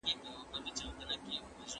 د وينې کموالی جدي ونيسه